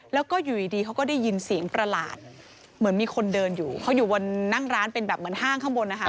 แล้วก็อยู่ดีเขาก็ได้ยินเสียงประหลาดเหมือนมีคนเดินอยู่เขาอยู่บนนั่งร้านเป็นแบบเหมือนห้างข้างบนนะคะ